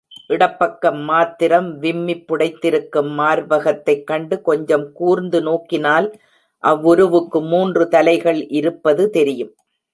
இடப்பக்கம் மாத்திரம் விம்மிப் புடைத்திருக்கும் மார்பகத்தைக் கண்டு கொஞ்சம் கூர்ந்து நோக்கினால் அவ்வுருவுக்கு மூன்று தலைகள் இருப்பதும் தெரியும்.